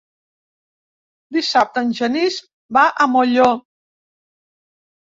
Dissabte en Genís va a Molló.